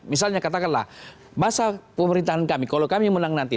misalnya katakanlah masa pemerintahan kami kalau kami menang nanti